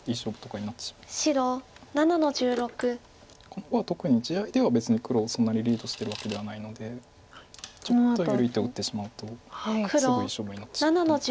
この碁は特に地合いでは別に黒そんなにリードしてるわけではないのでちょっと緩い手を打ってしまうとすぐいい勝負になってしまうと。